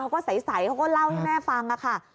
เขาก็ใสเขาก็เล่าให้แม่ฟังค่ะ